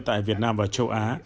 tại việt nam và châu á